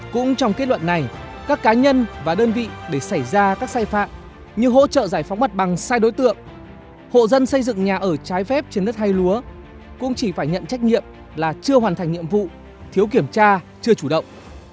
cũng trong kết luận này các cá nhân và đơn vị để xảy ra các sai phạm như hỗ trợ giải phóng mặt bằng sai đối tượng hộ dân xây dựng nhà ở trái phép trên đất hay lúa cũng chỉ phải nhận trách nhiệm là chưa hoàn thành nhiệm vụ thiếu kiểm tra chưa chủ động